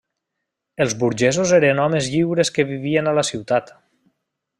Els burgesos eren homes lliures que vivien a la ciutat.